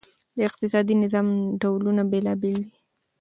د اقتصادي نظام ډولونه بېلابیل دي.